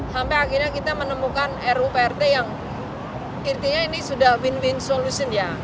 sampai akhirnya kita menemukan ru prt yang kirtinya ini sudah win win solution ya